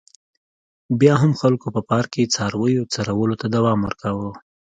بیا هم خلکو په پارک کې څارویو څرولو ته دوام ورکاوه.